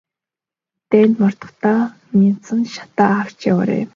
Дайнд мордохдоо мяндсан шатаа авч яваарай.